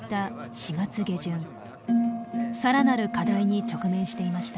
更なる課題に直面していました。